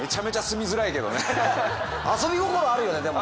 遊び心あるよねでも。